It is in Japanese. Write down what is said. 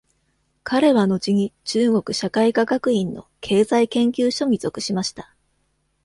彼は後に中国社会科学院の経済研究所に属しました。